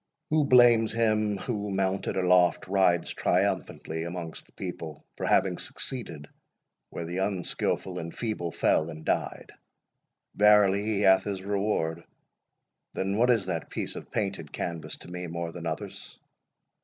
Who blames him, who, mounted aloft, rides triumphantly amongst the people, for having succeeded, where the unskilful and feeble fell and died? Verily he hath his reward: Then, what is that piece of painted canvas to me more than others?